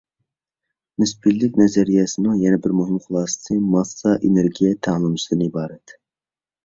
نىسپىيلىك نەزەرىيەسىنىڭ يەنە بىر مۇھىم خۇلاسىسى، ماسسا - ئېنېرگىيە تەڭلىمىسىدىن ئىبارەت.